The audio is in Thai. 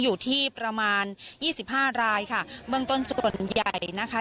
อยู่ที่ประมาณยี่สิบห้ารายค่ะเบื้องต้นใหญ่นะคะ